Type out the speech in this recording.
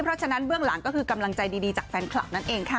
เพราะฉะนั้นเบื้องหลังก็คือกำลังใจดีจากแฟนคลับนั่นเองค่ะ